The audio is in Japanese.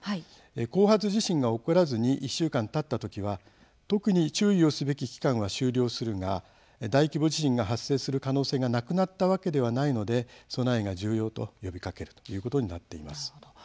後発地震が起こらずに１週間たった時は、特に注意をすべき期間は終了するが大規模地震が発生する可能性がなくなったわけではないので備えが重要と呼びかけるということになっています。